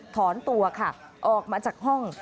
ถอนตัวค่ะออกมาจากห้อง